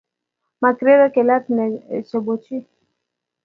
Makirorie kelat chebo chi.